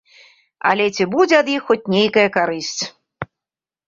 Але ці будзе ад іх хоць нейкая карысць?